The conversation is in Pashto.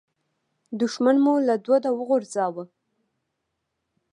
دوښمن مو له دوده وغورځاوو.